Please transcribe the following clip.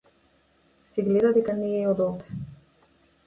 Се гледа дека не е од овде.